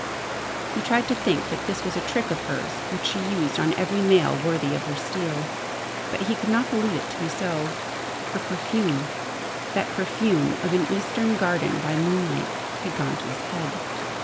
He tried to think that this was a trick of hers which she used on every male worthy of her steel. But he could not believe it to be so. Her perfume that perfume of an Eastern garden by moonlight had gone to his head.